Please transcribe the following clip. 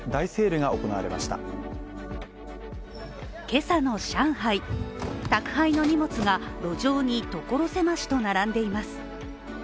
今朝の上海、宅配の荷物が路上に所狭しと並んでいます。